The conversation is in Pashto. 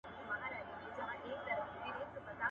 اوړه يو مټ نه لري، تنور ئې پر بام جوړ کړی دئ.